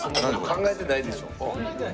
考えてないでしょ。